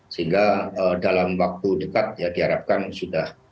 sehingga dalam waktu dekat ya diharapkan sudah